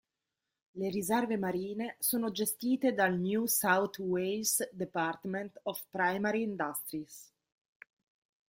Le riserve marine sono gestite dal "New South Wales Department of Primary Industries".